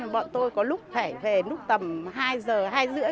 bọn tôi có lúc phải về lúc tầm hai giờ hai rưỡi